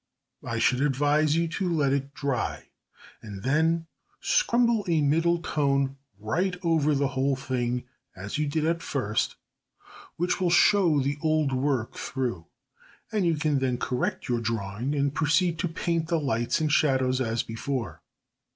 I should advise you to let it dry, and then scumble a middle tone right over the whole thing, as you did at first, which will show the old work through, and you can then correct your drawing and proceed to paint the lights and shadows as before.